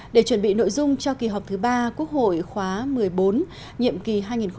để chuẩn bị nội dung cho kỳ họp thứ ba quốc hội khóa một mươi bốn nhiệm kỳ hai nghìn một mươi sáu hai nghìn hai mươi một